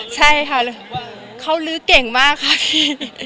ใช่ค่ะเขาลื้อเก่งมากค่ะพี่